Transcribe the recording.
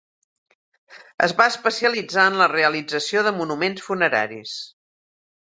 Es va especialitzar en la realització de monuments funeraris.